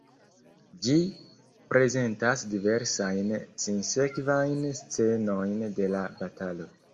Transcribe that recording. Ĝi prezentas diversajn sinsekvajn scenojn de la batalo.